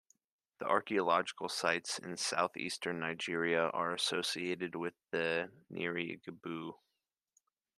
The archaeological sites in southeastern Nigeria are associated with the Nri-Igbo.